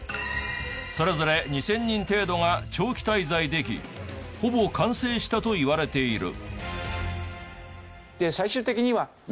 それぞれ２０００人程度が長期滞在できほぼ完成したといわれている。